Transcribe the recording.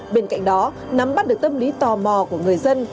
bên cạnh đó nắm bắt được tâm lý tò mò của người dân